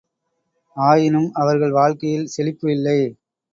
ஆயினும் அவர்கள் வாழ்க்கையில் செழிப்பு இல்லை!